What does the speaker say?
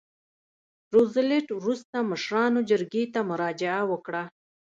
روزولټ وروسته مشرانو جرګې ته مراجعه وکړه.